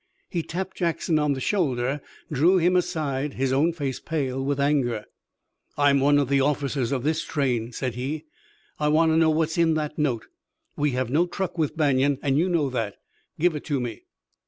He tapped Jackson on the shoulder, drew him aside, his own face pale with anger. "I'm one of the officers of this train," said he. "I want to know what's in that note. We have no truck with Banion, and you know that. Give it to me."